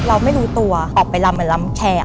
เราไม่รู้ตัวออกไปลำเหมือนลำแขก